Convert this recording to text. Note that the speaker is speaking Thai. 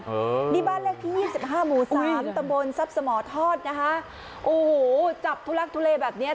เออนี่บ้านเลขที่ยี่สิบห้าหมู่สามตำบลทรัพย์สมทอดนะคะโอ้โหจับทุลักทุเลแบบเนี้ย